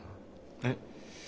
えっ？